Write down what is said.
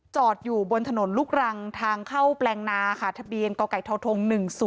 จอดอยู่บนถนนลูกรังทางเข้าแปลงนาค่ะทะเบียนกไก่ทท๑๐